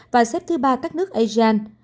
và xếp thứ ba các nước asean